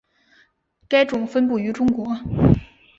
该种分布于中国。